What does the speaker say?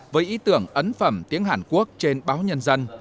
với ý tưởng ấn phẩm tiếng hàn quốc trên báo nhân dân